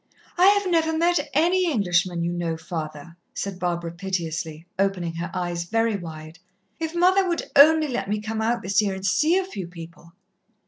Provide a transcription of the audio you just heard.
"I have never met any Englishmen, you know, father," said Barbara piteously, opening her eyes very wide. "If mother would only let me come out this year and see a few people!"